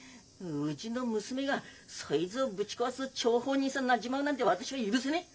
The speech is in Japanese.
うちの娘がそいつをぶち壊す張本人さなっぢまうなんて私は許さねえ！